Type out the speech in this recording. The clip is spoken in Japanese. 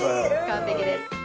完璧です。